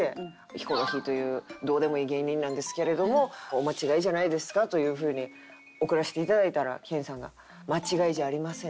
「ヒコロヒーというどうでもいい芸人なんですけれどもお間違いじゃないですか？」というふうに送らせて頂いたら研さんが「間違いじゃありません。